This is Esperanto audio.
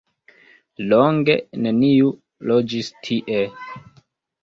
Longe neniu loĝis tie.